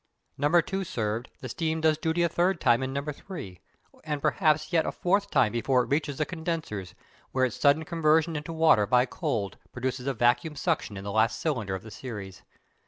Number two served, the steam does duty a third time in number three, and perhaps yet a fourth time before it reaches the condensers, where its sudden conversion into water by cold produces a vacuum suction in the last cylinder of the series.